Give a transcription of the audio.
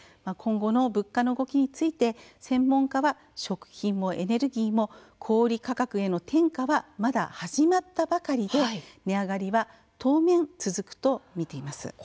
今後の物価の動きについて専門家は食品もエネルギーも小売価格への転嫁はまだ始まったばかりで値上がりは当面続くと見ています。